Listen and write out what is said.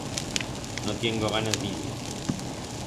No tiengo ganas d'ir-ie.